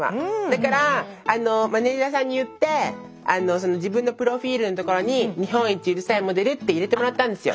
だからマネージャーさんに言って自分のプロフィールのところに「日本一うるさいモデル」って入れてもらったんですよ。